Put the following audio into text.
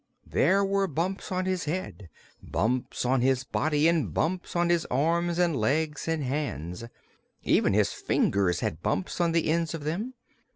There were bumps on his head, bumps on his body and bumps on his arms and legs and hands. Even his fingers had bumps on the ends of them.